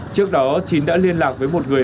trước đó chín đã liên lạc với một người